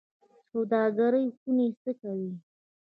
سوداګرۍ خونې څه کوي؟